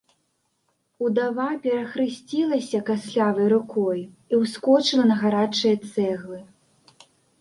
Удава перахрысцілася кастлявай рукой і ўскочыла на гарачыя цэглы.